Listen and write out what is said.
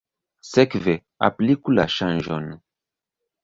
Sekve, apliku la ŝanĝon.